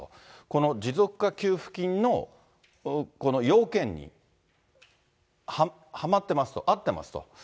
この持続化給付金のこの要件にはまってますと、合ってますと。